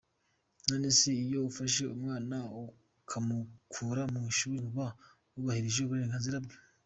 None se iyo ufashe umwana ukamukura mu ishuri uba wubahirije uburenganzira bwe ?